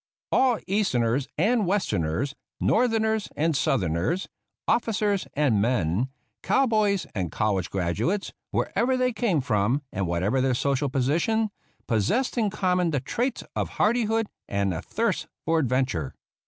All — Easterners and Westerners, Northerners and Southerners, officers and men, cow boys and college graduates, wherever they came from, and whatever their social position — possessed in com mon the traits of hardihood and a thirst for advent ure.